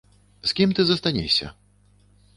З кім ты застанешся?